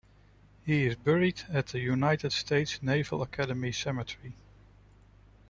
He is buried at the United States Naval Academy Cemetery.